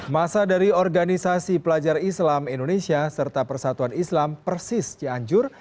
masa dari organisasi pelajar islam indonesia serta persatuan islam persis cianjur